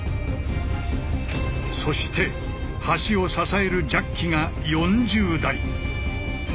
そして橋を支えるジャッキが４０台。